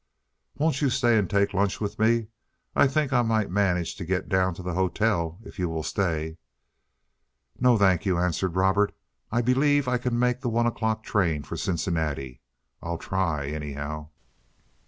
"Won't you stay and take lunch with me? I think I might manage to get down to the hotel if you'll stay." "No, thank you," answered Robert. "I believe I can make that one o'clock train for Cincinnati. I'll try, anyhow."